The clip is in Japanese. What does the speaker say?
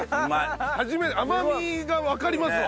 初め甘みがわかりますわ。